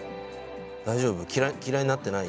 大丈夫？